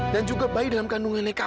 dan juga bayi dalam kandungannya kamu